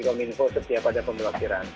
kominfo setiap ada pemblokiran